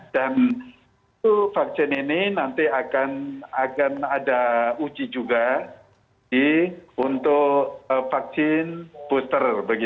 dan vaksin ini nanti akan ada uji juga untuk vaksin booster